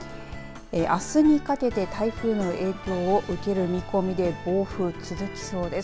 あすにかけて台風の影響を受ける見込みで暴風続きそうです。